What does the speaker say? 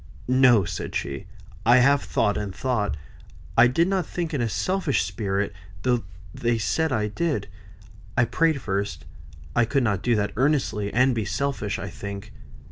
"No!" said she. "I have thought and thought. I did not think in a selfish spirit, though they say I did. I prayed first. I could not do that earnestly, and be selfish, I think.